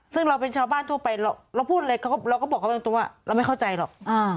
ซึ่งเราเป็นชาวบ้านทั่วไปเราพูดเลยเราก็บอกเขาตรงว่าเราไม่เข้าใจหรอก